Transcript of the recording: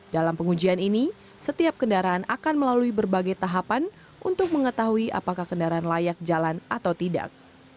dalam pengujian ini setiap kendaraan akan melalui berbagai tahapan untuk mengetahui apakah kendaraan layak jalan atau tidak